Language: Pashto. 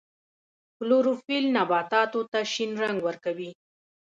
کلوروفیل نباتاتو ته شین رنګ ورکوي